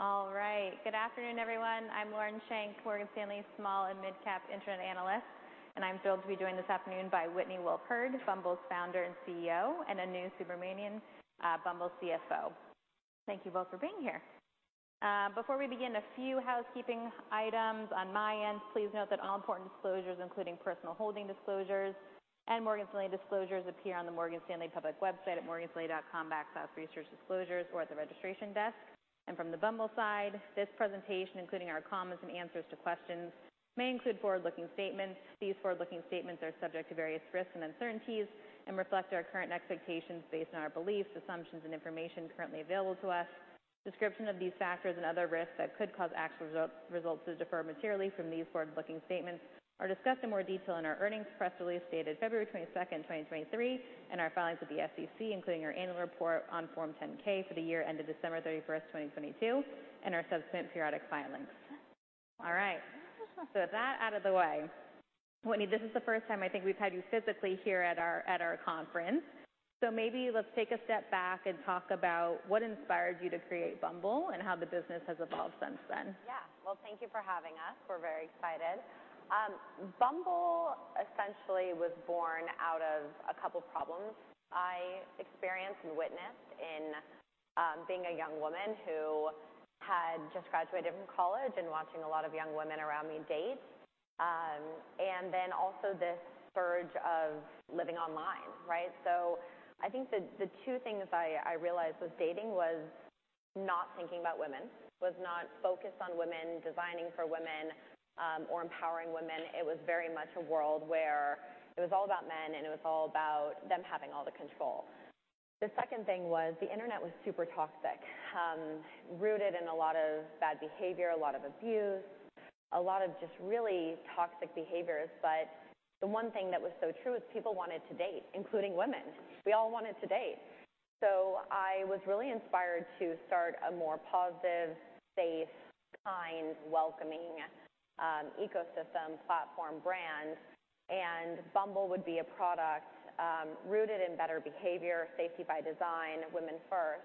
All right. Good afternoon, everyone. I'm Lauren Schenk, Morgan Stanley Small and Mid-Cap Internet Analyst, and I'm thrilled to be joined this afternoon by Whitney Wolfe Herd, Bumble's Founder and CEO, and Anu Subramanian, Bumble's CFO. Thank you both for being here. Before we begin, a few housekeeping items on my end. Please note that all important disclosures, including personal holding disclosures and Morgan Stanley disclosures, appear on the Morgan Stanley public website at morganstanley.com/researchdisclosures or at the registration desk. From the Bumble side, this presentation, including our comments and answers to questions, may include forward-looking statements. These forward-looking statements are subject to various risks and uncertainties and reflect our current expectations based on our beliefs, assumptions, and information currently available to us. Description of these factors and other risks that could cause actual results to differ materially from these forward-looking statements are discussed in more detail in our earnings press release dated February 22, 2023, and our filings with the SEC, including our annual report on Form 10-K for the year ended December 31, 2022, and our subsequent periodic filings. All right. With that out of the way, Whitney, this is the first time I think we've had you physically here at our conference. Maybe let's take a step back and talk about what inspired you to create Bumble and how the business has evolved since then. Well, thank you for having us. We're very excited. Bumble essentially was born out of a couple problems I experienced and witnessed in being a young woman who had just graduated from college and watching a lot of young women around me date, and then also this surge of living online, right? I think the two things I realized with dating was not thinking about women, was not focused on women, designing for women, or empowering women. It was very much a world where it was all about men, and it was all about them having all the control. The second thing was the Internet was super toxic, rooted in a lot of bad behavior, a lot of abuse, a lot of just really toxic behaviors. The one thing that was so true is people wanted to date, including women. We all wanted to date. I was really inspired to start a more positive, safe, kind, welcoming ecosystem, platform, brand, and Bumble would be a product rooted in better behavior, safety by design, women first.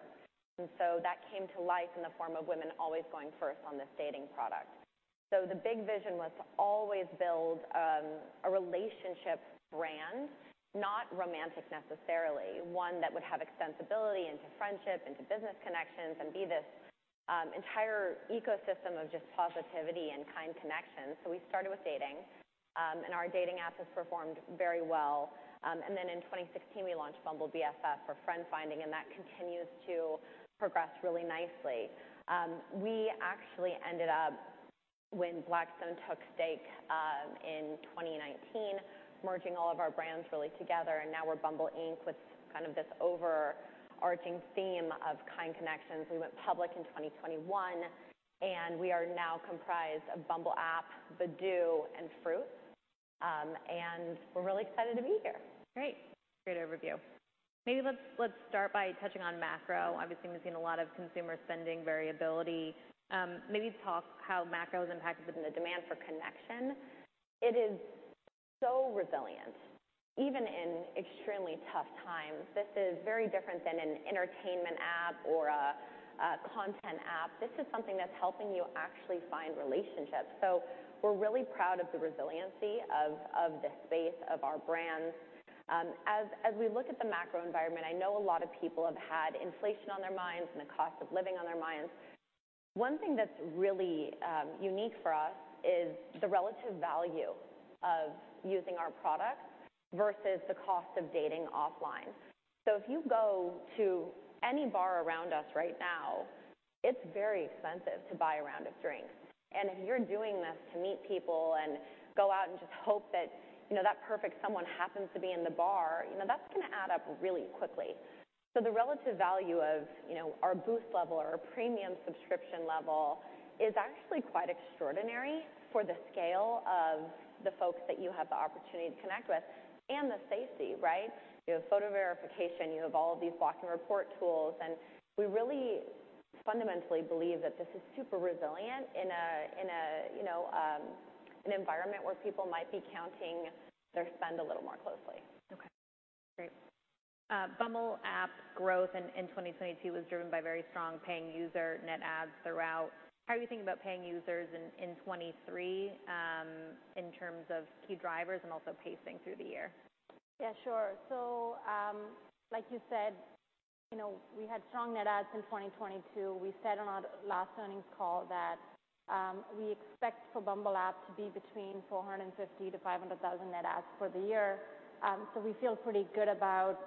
That came to life in the form of women always going first on this dating product. The big vision was to always build a relationship brand, not romantic necessarily, one that would have extensibility into friendship, into business connections, and be this entire ecosystem of just positivity and kind connections. We started with dating, and our dating app has performed very well. Then in 2016, we launched Bumble BFF for friend-finding, and that continues to progress really nicely. We actually ended up, when Blackstone took stake, in 2019, merging all of our brands really together, and now we're Bumble Inc. With kind of this overarching theme of kind connections. We went public in 2021, and we are now comprised of Bumble app, Badoo, and Fruitz. We're really excited to be here. Great overview. Maybe let's start by touching on macro. Obviously, we've seen a lot of consumer spending variability. Maybe talk how macro has impacted the demand for connection? It is so resilient, even in extremely tough times. This is very different than an entertainment app or a content app. This is something that's helping you actually find relationships. We're really proud of the resiliency of the space of our brands. As we look at the macro environment, I know a lot of people have had inflation on their minds and the cost of living on their minds. One thing that's really unique for us is the relative value of using our product versus the cost of dating offline. If you go to any bar around us right now, it's very expensive to buy a round of drinks. If you're doing this to meet people and go out and just hope that, you know, that perfect someone happens to be in the bar, you know, that's gonna add up really quickly. The relative value of, you know, our Boost level or our premium subscription level is actually quite extraordinary for the scale of the folks that you have the opportunity to connect with and the safety, right? You have Photo Verification, you have all of these block and report tools, and we really fundamentally believe that this is super resilient in a, in a, you know, an environment where people might be counting their spend a little more closely. Okay. Great. Bumble app growth in 2022 was driven by very strong paying user net adds throughout. How are you thinking about paying users in 2023, in terms of key drivers and also pacing through the year? Sure. Like you said, you know, we had strong net adds in 2022. We said on our last earnings call that we expect for Bumble app to be between 450,000-500,000 net adds for the year. We feel pretty good about,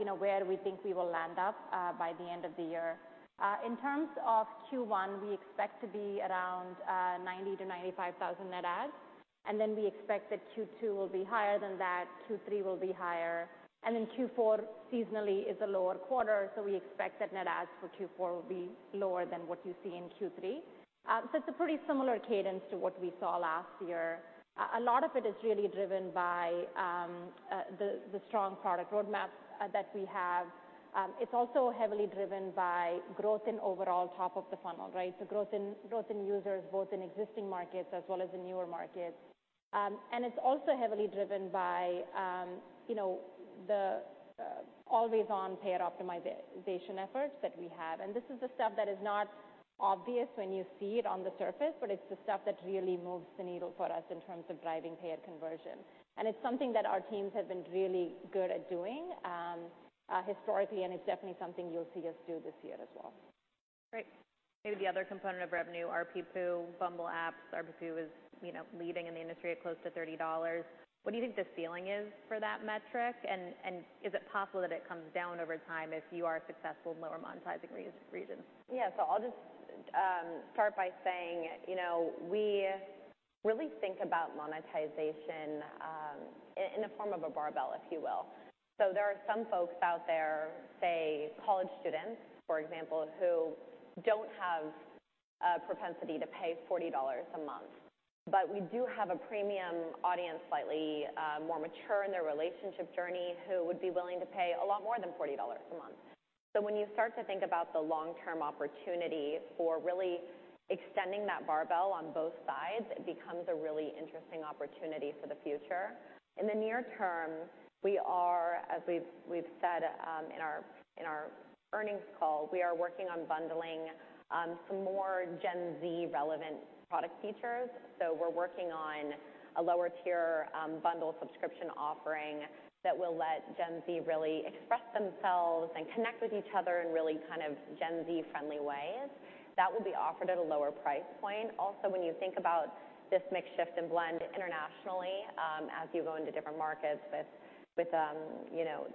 you know, where we think we will land up by the end of the year. In terms of Q1, we expect to be around 90,000-95,000 net adds. We expect that Q2 will be higher than that, Q3 will be higher. Q4 seasonally is a lower quarter, we expect that net adds for Q4 will be lower than what you see in Q3. It's a pretty similar cadence to what we saw last year. A lot of it is really driven by the strong product roadmap that we have. It's also heavily driven by growth in overall top of the funnel, right. Growth in users, both in existing markets as well as in newer markets. It's also heavily driven by, you know, the always-on payer optimization efforts that we have. This is the stuff that is not obvious when you see it on the surface, but it's the stuff that really moves the needle for us in terms of driving payer conversion. It's something that our teams have been really good at doing historically, and it's definitely something you'll see us do this year as well. Great. Maybe the other component of revenue, RPPU, Bumble apps. RPPU is, you know, leading in the industry at close to $30. What do you think the ceiling is for that metric? Is it possible that it comes down over time if you are successful in lower monetizing re-regions? I'll just start by saying, you know, we really think about monetization in the form of a barbell, if you will. There are some folks out there, say, college students, for example, who don't have a propensity to pay $40 a month. We do have a premium audience, slightly more mature in their relationship journey, who would be willing to pay a lot more than $40 a month. When you start to think about the long-term opportunity for really extending that barbell on both sides, it becomes a really interesting opportunity for the future. In the near term, we are, as we've said, in our earnings call, we are working on bundling some more Gen Z-relevant product features. We're working on a lower-tier, bundle subscription offering that will let Gen Z really express themselves and connect with each other in really kind of Gen Z-friendly ways. That will be offered at a lower price point. When you think about this mix shift and blend internationally, as you go into different markets with, you know,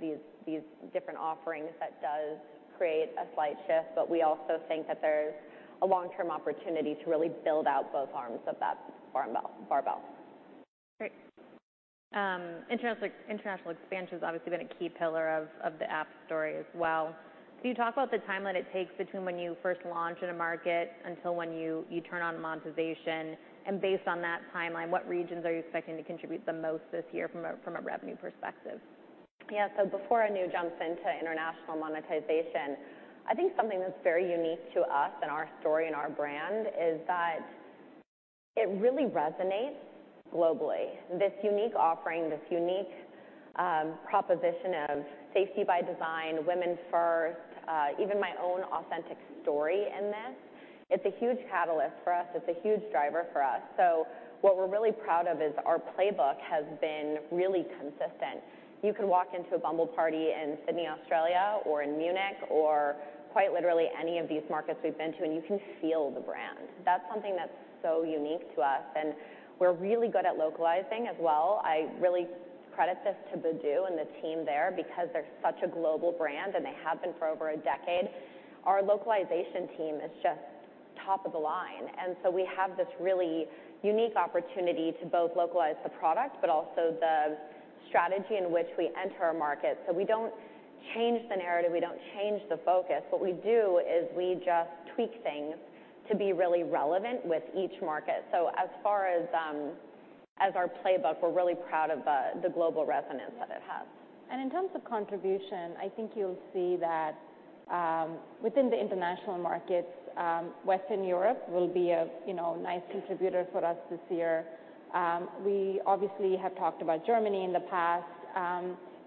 these different offerings, that does create a slight shift. We also think that there's a long-term opportunity to really build out both arms of that barbell. Great. International expansion has obviously been a key pillar of the app story as well. Can you talk about the timeline it takes between when you first launch in a market until when you turn on monetization? Based on that timeline, what regions are you expecting to contribute the most this year from a revenue perspective? Before Anu jumps into international monetization, I think something that's very unique to us and our story and our brand is that it really resonates globally. This unique offering, this unique proposition of safety by design, women first, even my own authentic story in this, it's a huge catalyst for us. It's a huge driver for us. What we're really proud of is our playbook has been really consistent. You can walk into a Bumble party in Sydney, Australia, or in Munich, or quite literally any of these markets we've been to, and you can feel the brand. That's something that's so unique to us, and we're really good at localizing as well. I really credit this to Badoo and the team there because they're such a global brand, and they have been for over a decade. Our localization team is just top-of-the-line. We have this really unique opportunity to both localize the product but also the strategy in which we enter a market. We don't change the narrative, we don't change the focus. What we do is we just tweak things to be really relevant with each market. As far as our playbook, we're really proud of the global resonance that it has. In terms of contribution, I think you'll see that, within the international markets, Western Europe will be a, you know, nice contributor for us this year. We obviously have talked about Germany in the past.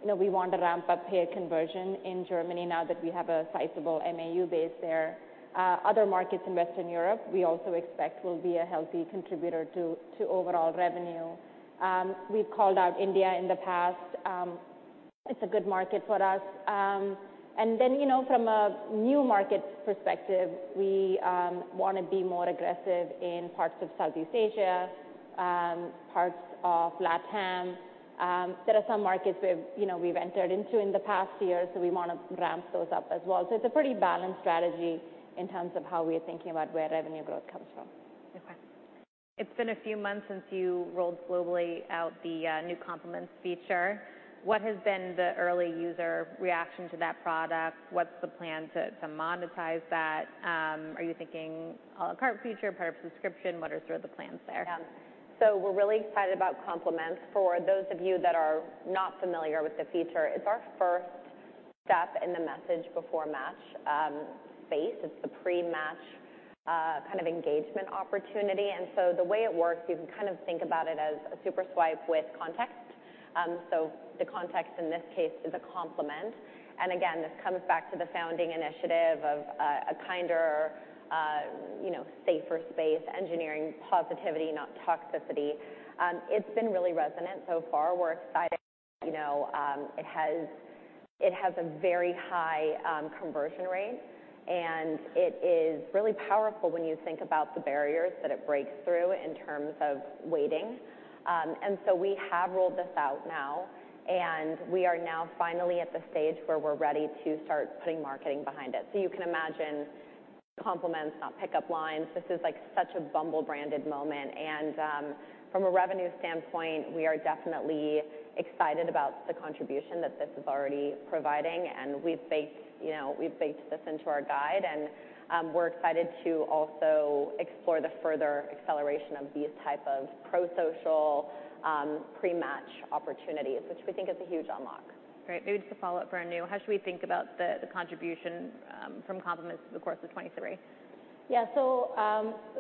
You know, we want to ramp up payer conversion in Germany now that we have a sizable MAU base there. Other markets in Western Europe we also expect will be a healthy contributor to overall revenue. We've called out India in the past. It's a good market for us. You know, from a new market perspective, we, want to be more aggressive in parts of Southeast Asia, parts of LatAm. There are some markets we've, you know, we've entered into in the past year, we want to ramp those up as well. It's a pretty balanced strategy in terms of how we are thinking about where revenue growth comes from. It's been a few months since you rolled globally out the new Compliments feature. What has been the early user reaction to that product? What's the plan to monetize that? Are you thinking a la carte feature, part of subscription? What are sort of the plans there? Yeah. We're really excited about Compliments. For those of you that are not familiar with the feature, it's our first step in the message before match space. It's the pre-match kind of engagement opportunity. The way it works, you can kind of think about it as a SuperSwipe with context. The context in this case is a compliment. Again, this comes back to the founding initiative of a kinder, you know, safer space, engineering positivity, not toxicity. It's been really resonant so far. We're excited. You know, it has a very high conversion rate, and it is really powerful when you think about the barriers that it breaks through in terms of waiting. We have rolled this out now, and we are now finally at the stage where we're ready to start putting marketing behind it. You can imagine Compliments, not pickup lines. This is, like, such a Bumble-branded moment. From a revenue standpoint, we are definitely excited about the contribution that this is already providing. We've baked, you know, we've baked this into our guide, and we're excited to also explore the further acceleration of these type of pro-social, pre-match opportunities, which we think is a huge unlock. Great. Maybe just a follow-up for Anu. How should we think about the contribution from Compliments over the course of 2023?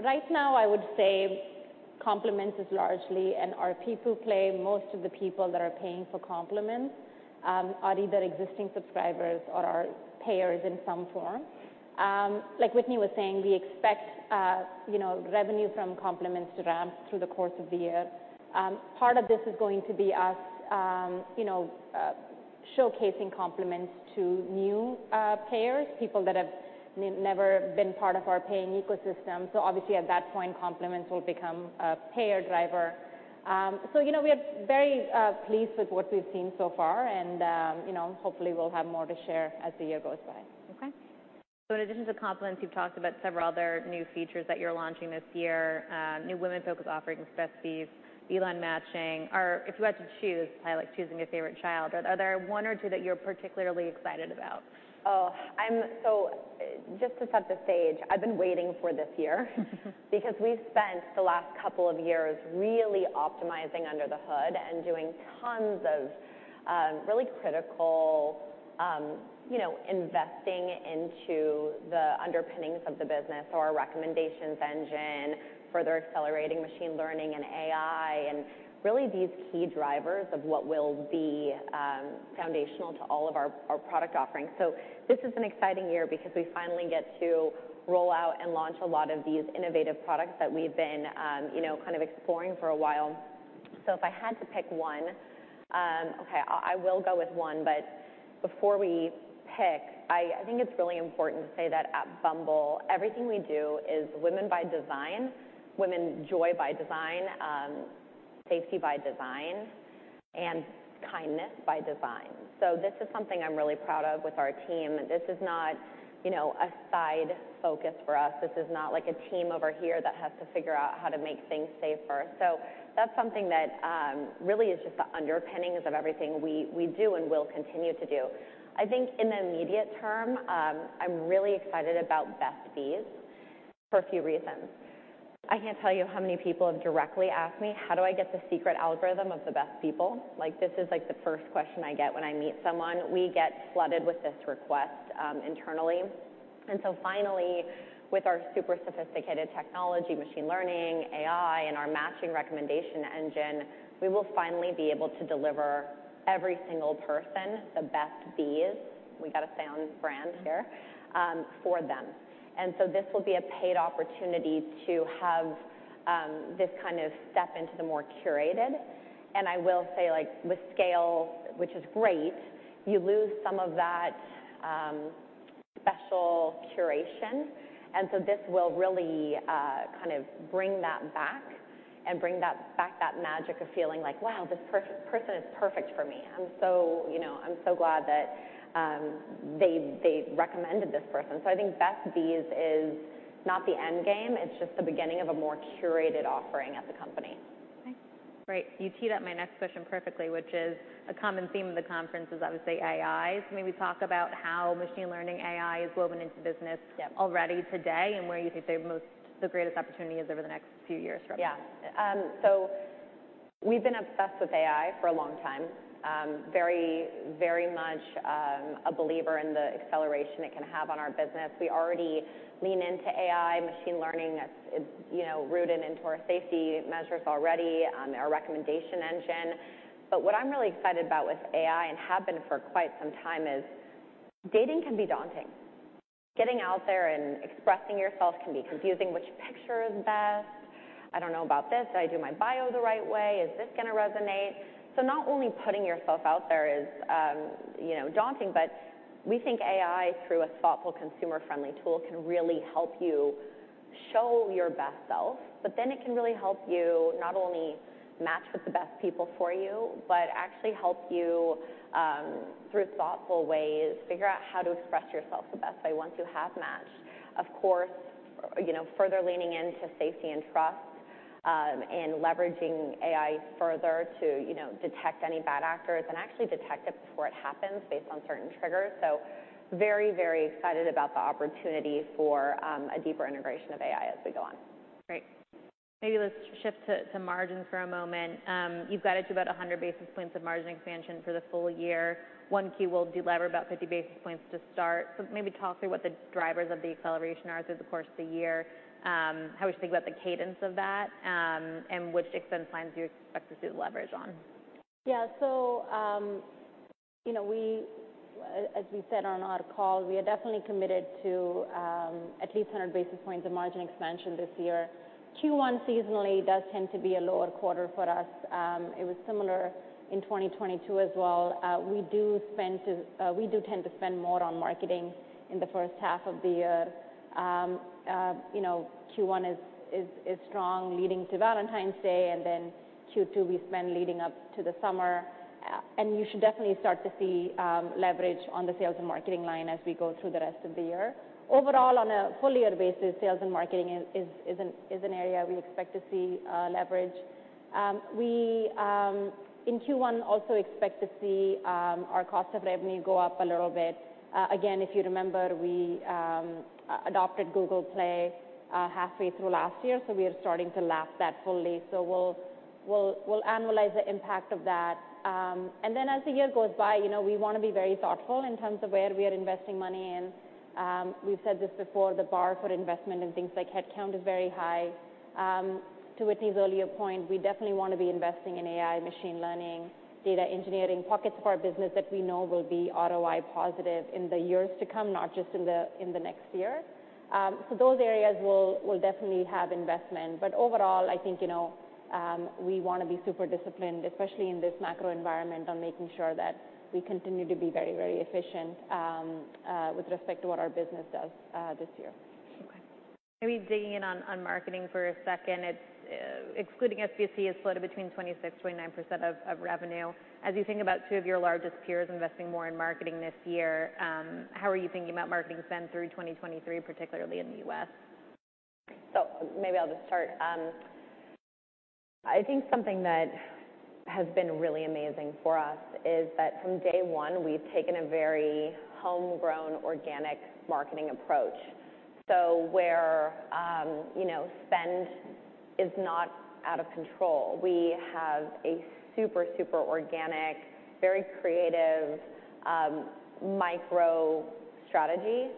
Right now I would say Compliments is largely and our pay-to-play, most of the people that are paying for Compliments are either existing subscribers or are payers in some form. Like Whitney was saying, we expect, you know, revenue from Compliments to ramp through the course of the year. Part of this is going to be us, you know, showcasing Compliments to new payers, people that have never been part of our paying ecosystem. Obviously at that point, Compliments will become a payer driver. You know, we are very pleased with what we've seen so far, and, you know, hopefully we'll have more to share as the year goes by. Okay. In addition to Compliments, you've talked about several other new features that you're launching this year, new women-focused offerings, Best Bees, Elon matching. If you had to choose, kind of like choosing your favorite child, are there one or two that you're particularly excited about? Just to set the stage, I've been waiting for this year because we've spent the last couple of years really optimizing under the hood and doing tons of, really critical, you know, investing into the underpinnings of the business. Our recommendations engine, further accelerating machine learning and AI, and really these key drivers of what will be foundational to all of our product offerings. This is an exciting year because we finally get to roll out and launch a lot of these innovative products that we've been, you know, kind of exploring for a while. If I had to pick one, okay, I will go with one, but before we pick, I think it's really important to say that at Bumble, everything we do is women by design, women joy by design, safety by design, and kindness by design. This is something I'm really proud of with our team. This is not, you know, a side focus for us. This is not like a team over here that has to figure out how to make things safer. That's something that really is just the underpinnings of everything we do and will continue to do. I think in the immediate term, I'm really excited about Best Bees for a few reasons. I can't tell you how many people have directly asked me, "How do I get the secret algorithm of the best people?" Like, this is like the first question I get when I meet someone. We get flooded with this request, internally. Finally, with our super sophisticated technology, machine learning, AI, and our matching recommendation engine, we will finally be able to deliver every single person the Best Bees, we gotta stay on brand here. Mm-hmm. for them. This will be a paid opportunity to have this kind of step into the more curated. I will say like with scale, which is great, you lose some of that special curation. This will really kind of bring that back that magic of feeling like, "Wow, this person is perfect for me. I'm so, you know, I'm so glad that they recommended this person." I think Best Bees is not the end game. It's just the beginning of a more curated offering at the company. Okay. Great. You teed up my next question perfectly, which is a common theme of the conference is obviously AI. Maybe talk about how machine learning AI is woven into business- Yep. -already today and where you think the most, the greatest opportunity is over the next few years from here. Yeah. We've been obsessed with AI for a long time. Very, very much a believer in the acceleration it can have on our business. We already lean into AI, machine learning. That's, it's, you know, rooted into our safety measures already, our recommendation engine. What I'm really excited about with AI, and have been for quite some time, is dating can be daunting. Getting out there and expressing yourself can be confusing. Which picture is best? I don't know about this. Did I do my bio the right way? Is this gonna resonate? Not only putting yourself out there is, you know, daunting, but we think AI, through a thoughtful consumer-friendly tool, can really help you show your best self. it can really help you not only match with the best people for you but actually help you through thoughtful ways, figure out how to express yourself the best way once you have matched. Of course, you know, further leaning into safety and trust, and leveraging AI further to, you know, detect any bad actors, and actually detect it before it happens based on certain triggers. Very, very excited about the opportunity for a deeper integration of AI as we go on. Great. Maybe let's shift to margins for a moment. You've guided to about 100 basis points of margin expansion for the full year. One key will delever about 50 basis points to start. Maybe talk through what the drivers of the acceleration are through the course of the year, how we should think about the cadence of that, and which expense lines you expect to see the leverage on. Yeah. You know, we, as we said on our call, we are definitely committed to, at least 100 basis points of margin expansion this year. Q1 seasonally does tend to be a lower quarter for us. It was similar in 2022 as well. We do tend to spend more on marketing in the first half of the year. You know, Q1 is strong leading to Valentine's Day, and then Q2 we spend leading up to the summer. You should definitely start to see leverage on the sales and marketing line as we go through the rest of the year. Overall, on a full year basis, sales and marketing is an area we expect to see leverage. We in Q1 also expect to see our cost of revenue go up a little bit. Again, if you remember, we adopted Google Play halfway through last year, so we are starting to lap that fully. We'll annualize the impact of that. Then as the year goes by, you know, we wanna be very thoughtful in terms of where we are investing money in. We've said this before, the bar for investment in things like headcount is very high. To Whitney's earlier point, we definitely wanna be investing in AI, machine learning, data engineering, pockets of our business that we know will be ROI positive in the years to come, not just in the next year. So those areas will definitely have investment. Overall, I think, you know, we wanna be super disciplined, especially in this macro environment, on making sure that we continue to be very efficient with respect to what our business does this year. Okay. Maybe digging in on marketing for a second. It's, excluding SBC, it's floated between 26%-29% of revenue. As you think about two of your largest peers investing more in marketing this year, how are you thinking about marketing spend through 2023, particularly in the U.S.? Maybe I'll just start. I think something that has been really amazing for us is that from day one, we've taken a very homegrown organic marketing approach. Where, you know, spend is not out of control. We have a super organic, very creative micro strategy.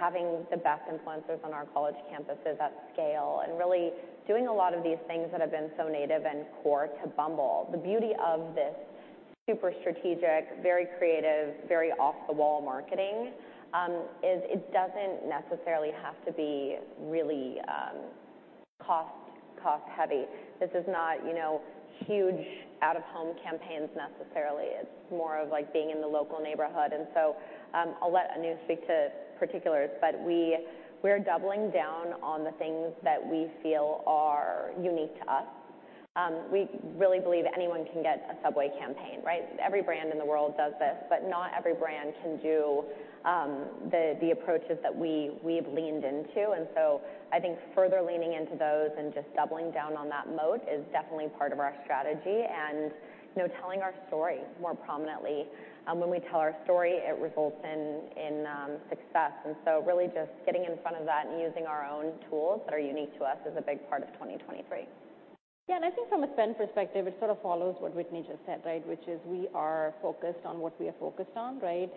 Having the best influencers on our college campuses at scale, and really doing a lot of these things that have been so native and core to Bumble. The beauty of this super strategic, very creative, very off-the-wall marketing, is it doesn't necessarily have to be really cost-heavy. This is not, you know, huge out-of-home campaigns necessarily. It's more of like being in the local neighborhood. I'll let Anu speak to particulars, but we're doubling down on the things that we feel are unique to us. We really believe anyone can get a subway campaign, right? Every brand in the world does this, but not every brand can do the approaches that we've leaned into. I think further leaning into those and just doubling down on that moat is definitely part of our strategy and, you know, telling our story more prominently. When we tell our story, it results in success. Really just getting in front of that and using our own tools that are unique to us is a big part of 2023. Yeah, I think from a spend perspective, it sort of follows what Whitney just said, right? Which is we are focused on what we are focused on, right?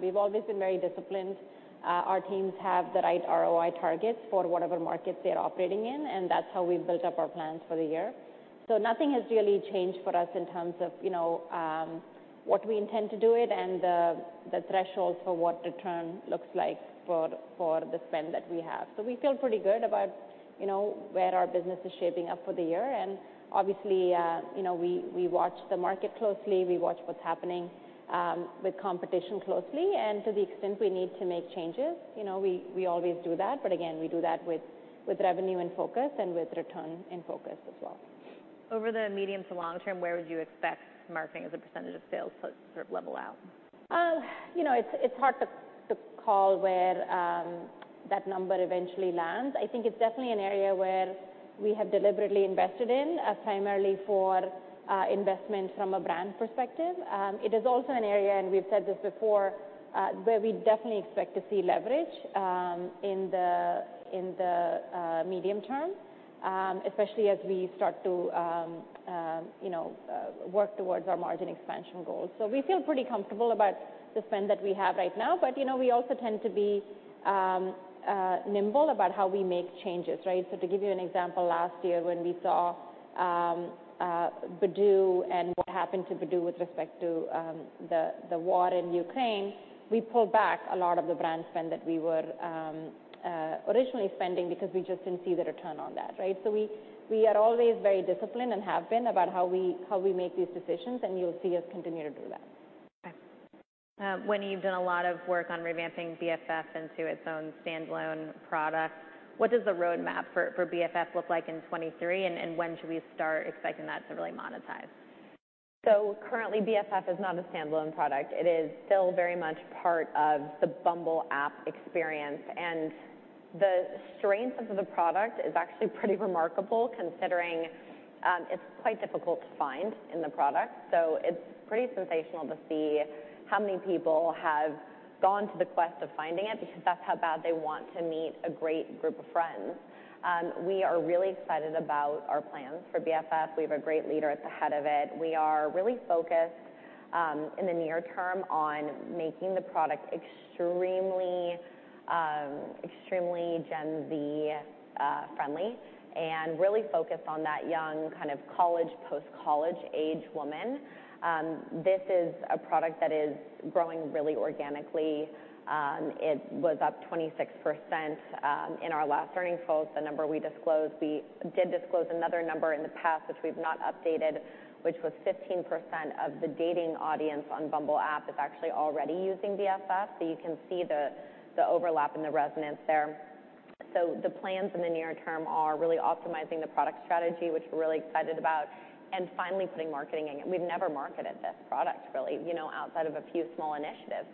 We've always been very disciplined. Our teams have the right ROI targets for whatever market they're operating in, that's how we built up our plans for the year. Nothing has really changed for us in terms of, you know, what we intend to do it and the threshold for what return looks like for the spend that we have. We feel pretty good about, you know, where our business is shaping up for the year. Obviously, you know, we watch the market closely. We watch what's happening with competition closely. To the extent we need to make changes, you know, we always do that. Again, we do that with revenue in focus and with return in focus as well. Over the medium to long term, where would you expect marketing as a percentage of sales to sort of level out? You know, it's hard to call where that number eventually lands. I think it's definitely an area where we have deliberately invested in, primarily for investment from a brand perspective. It is also an area, and we've said this before, where we definitely expect to see leverage in the medium term, especially as we start to, you know, work towards our margin expansion goals. We feel pretty comfortable about the spend that we have right now, but, you know, we also tend to be nimble about how we make changes, right? To give you an example, last year when we saw Badoo and what happened to Badoo with respect to the war in Ukraine, we pulled back a lot of the brand spend that we were originally spending because we just didn't see the return on that, right? We are always very disciplined and have been about how we, how we make these decisions, and you'll see us continue to do that. Okay. Whitney, you've done a lot of work on revamping BFF into its own standalone product. What does the roadmap for BFF look like in 2023, and when should we start expecting that to really monetize? Currently, BFF is not a standalone product. It is still very much part of the Bumble app experience. The strength of the product is actually pretty remarkable, considering it's quite difficult to find in the product. It's pretty sensational to see how many people have gone to the quest of finding it because that's how bad they want to meet a great group of friends. We are really excited about our plans for BFF. We have a great leader at the head of it. We are really focused in the near term on making the product extremely Gen Z friendly and really focused on that young kind of college, post-college age woman. This is a product that is growing really organically. It was up 26% in our last earnings calls, the number we disclosed. We did disclose another number in the past, which we've not updated, which was 15% of the dating audience on Bumble app is actually already using BFF. You can see the overlap and the resonance there. The plans in the near term are really optimizing the product strategy, which we're really excited about, and finally putting marketing in. We've never marketed this product really, you know, outside of a few small initiatives.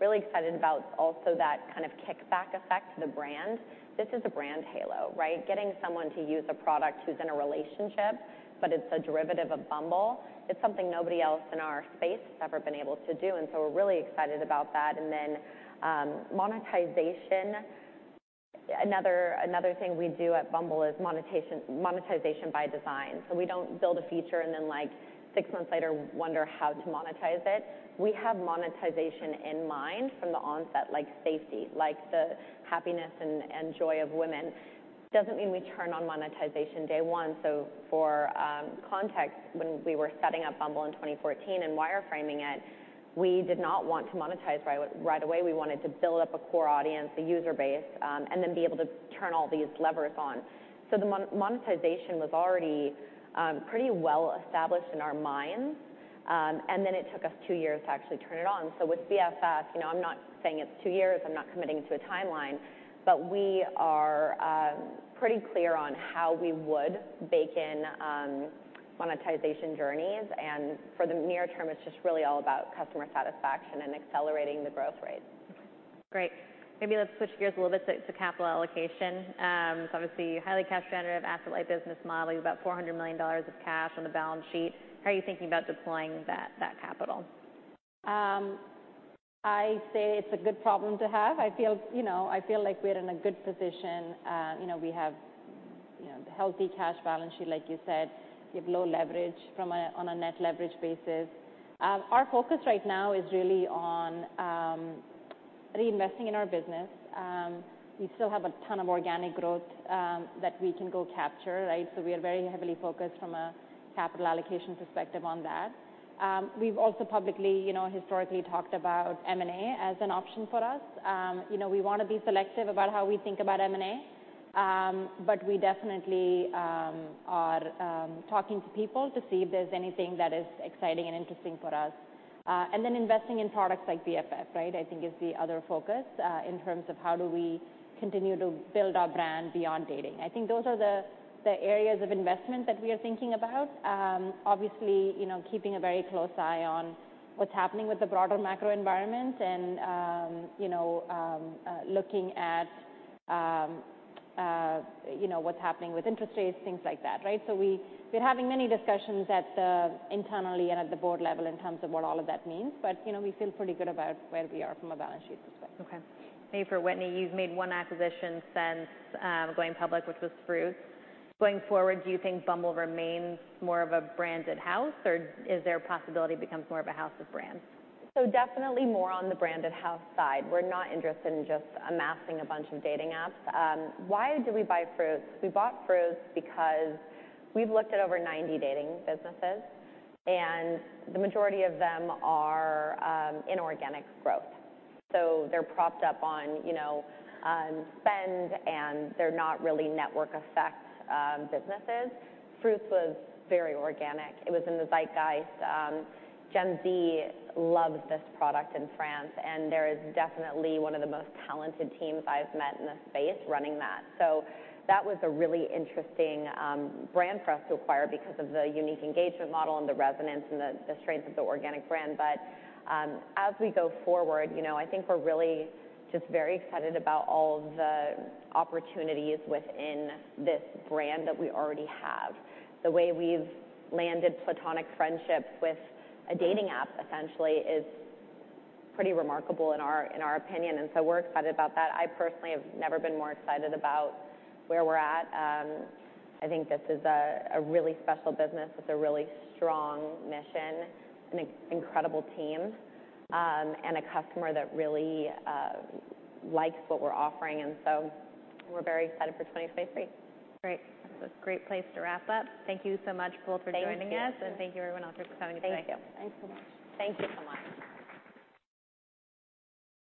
Really excited about also that kind of kickback effect to the brand. This is a brand halo, right? Getting someone to use a product who's in a relationship, but it's a derivative of Bumble. It's something nobody else in our space has ever been able to do. We're really excited about that. Monetization. Another thing we do at Bumble is monetization by design. We don't build a feature and then like six months later wonder how to monetize it. We have monetization in mind from the onset, like safety, like the happiness and joy of women. Doesn't mean we turn on monetization day one. For context, when we were setting up Bumble in 2014 and wireframing it, we did not want to monetize right away. We wanted to build up a core audience, a user base, and then be able to turn all these levers on. The monetization was already pretty well established in our minds. It took us two years to actually turn it on. With BFF, you know, I'm not saying it's two years, I'm not committing to a timeline, but we are pretty clear on how we would bake in monetization journeys. for the near term, it's just really all about customer satisfaction and accelerating the growth rate. Great. Maybe let's switch gears a little bit to capital allocation. Obviously highly cash generative asset-light business model. You have about $400 million of cash on the balance sheet. How are you thinking about deploying that capital? I say it's a good problem to have. I feel, you know, I feel like we are in a good position. You know, we have, you know, the healthy cash balance sheet, like you said. We have low leverage from a, on a net leverage basis. Our focus right now is really on reinvesting in our business. We still have a ton of organic growth that we can go capture, right? We are very heavily focused from a capital allocation perspective on that. We've also publicly, you know, historically talked about M&A as an option for us. You know, we wanna be selective about how we think about M&A. We definitely are talking to people to see if there's anything that is exciting and interesting for us. Investing in products like BFF, right, I think is the other focus in terms of how do we continue to build our brand beyond dating. I think those are the areas of investment that we are thinking about. Obviously, you know, keeping a very close eye on what's happening with the broader macro environment and, you know, looking at, you know, what's happening with interest rates, things like that, right? We're having many discussions at the internally and at the board level in terms of what all of that means, but, you know, we feel pretty good about where we are from a balance sheet perspective. Maybe for Whitney, you've made one acquisition since going public, which was Fruitz. Going forward, do you think Bumble remains more of a branded house, or is there a possibility it becomes more of a house of brands? Definitely more on the branded house side. We're not interested in just amassing a bunch of dating apps. Why did we buy Fruitz? We bought Fruitz because we've looked at over 90 dating businesses, and the majority of them are inorganic growth. They're propped up on, you know, spend, and they're not really network effect businesses. Fruitz was very organic. It was in the zeitgeist. Gen Z loves this product in France, and there is definitely one of the most talented teams I've met in the space running that. That was a really interesting brand for us to acquire because of the unique engagement model and the resonance and the strength of the organic brand. As we go forward, you know, I think we're really just very excited about all of the opportunities within this brand that we already have. The way we've landed platonic friendships with a dating app essentially is pretty remarkable in our opinion, and so we're excited about that. I personally have never been more excited about where we're at. I think this is a really special business with a really strong mission, an incredible team, and a customer that really likes what we're offering, and so we're very excited for 2023. Great. That's a great place to wrap up. Thank you so much both for joining us. Thank you. Thank you everyone else for coming today. Thank you. Thanks so much. Thank you so much.